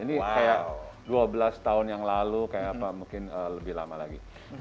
ini kayak dua belas tahun yang lalu kayak apa mungkin lebih lama lagi